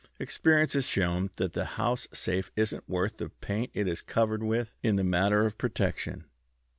Experience has shown that the house safe isn't worth the paint it is covered with in the matter of protection.